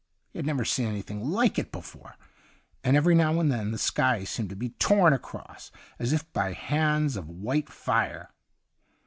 He had never seen anything like it before ; and every now and then the sky seemed to be torn across as if by hands of white fire.